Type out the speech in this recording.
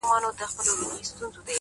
شرجلال مي ته؛ په خپل جمال کي کړې بدل؛